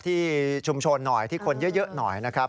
ที่ชุมชนหน่อยที่คนเยอะหน่อยนะครับ